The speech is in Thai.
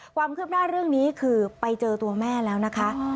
ความคืบหน้าเรื่องนี้คือไปเจอตัวแม่แล้วนะคะ